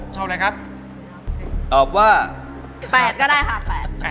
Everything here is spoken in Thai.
ชอบอะไรครับตอบว่า๘ก็ได้ค่ะ๘๘